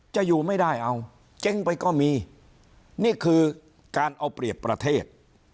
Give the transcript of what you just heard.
จะอยู่ไม่ได้เอาเจ๊งไปก็มีนี่คือการเอาเปรียบประเทศ